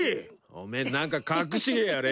おめえ何か隠し芸やれ。